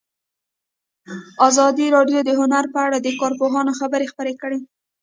ازادي راډیو د هنر په اړه د کارپوهانو خبرې خپرې کړي.